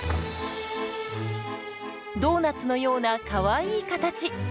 ドーナツのようなかわいい形。